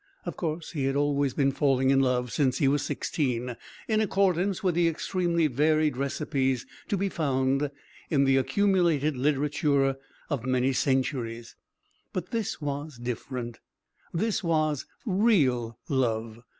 Of course, he had always been falling in love since he was sixteen, in accordance with the extremely varied recipes to be found in the accumulated literature of many centuries. But this was different. This was real love.